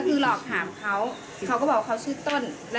ก็กลัวพี่เพราะเขาพูดว่า